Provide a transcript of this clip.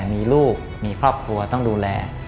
มีลูกมีครอบครัวต้องดูแล